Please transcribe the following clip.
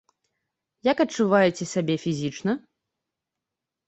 Як адчуваеце сябе фізічна?